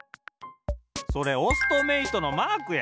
それオストメイトのマークや。